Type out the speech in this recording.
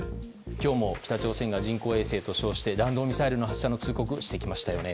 今日も北朝鮮が人工衛星と称して弾道ミサイルの発射の通告をしてきましたね。